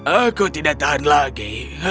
aku tidak tahan lagi